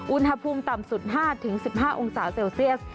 อุณหภูมิต่ำสุด๕๑๕องศาเซลเซียส